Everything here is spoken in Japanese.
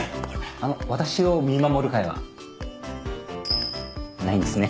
あの私を見守る会は？ないんですね。